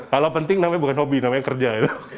kalau penting namanya bukan hobi namanya kerja ya